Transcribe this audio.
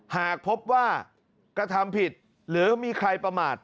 หากพบว่ากระทำผิดหรือมีใครประมาท